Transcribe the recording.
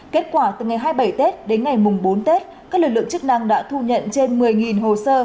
kết quả từ ngày hai mươi bảy tết đến ngày mùng bốn tết các lực lượng chức năng đã thu nhận trên một mươi hồ sơ